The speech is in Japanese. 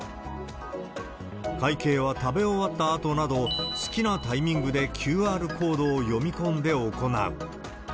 会計は食べ終わったあとなど、好きなタイミングでＱＲコードを読み込んで行う。